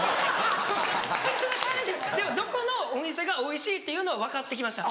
でもどこのお店がおいしいっていうのは分かって来ました。